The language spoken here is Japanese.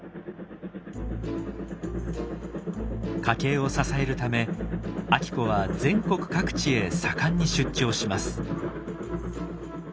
家計を支えるため晶子は全国各地へ盛んに出張します。